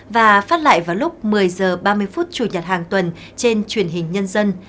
và phát lại vào lúc một mươi h ba mươi phút chủ nhật hàng tuần trên truyền hình nhân dân